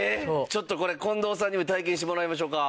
ちょっとこれ近藤さんにも体験してもらいましょうか。